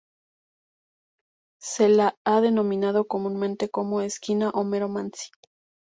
Se la ha denominado comúnmente como "Esquina Homero Manzi".